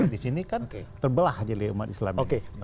di sini kan terbelah jadi umat islam